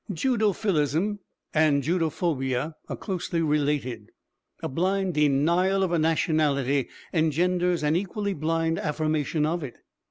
"'Judophilism' and 'Judophobia' are closely related. A blind denial of a nationality engenders an equally blind affirmation of it.